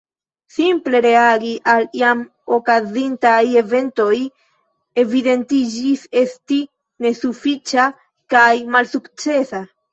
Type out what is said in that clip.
Simple reagi al jam okazintaj eventoj evidentiĝis esti nesufiĉa kaj malsukcesa.